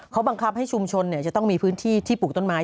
เขาบังคับให้ชุมชนจะต้องมีพื้นที่ที่ปลูกต้นไม้